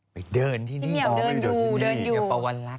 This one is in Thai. ไปเดินที่นี่พี่เมียวเดินอยู่พี่เมียวปะวันรัด